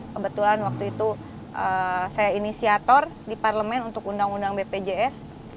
kebetulan waktu itu saya inisiator di parlemen untuk undang undang bpjs